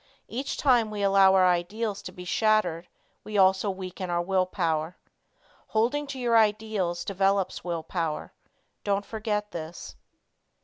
Each time we allow our ideals to be shattered we also weaken our will power. Holding to your ideals develops will power. Don't forget this.